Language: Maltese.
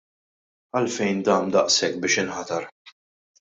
Għalfejn dam daqshekk biex inħatar?